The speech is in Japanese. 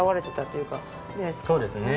そうですね。